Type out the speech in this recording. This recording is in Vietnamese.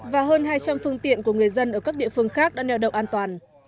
và hơn hai trăm linh phương tiện của người dân ở các địa phương khác đã neo đậu an toàn